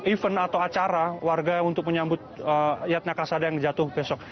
event atau acara warga untuk menyambut yatna kasada yang jatuh besok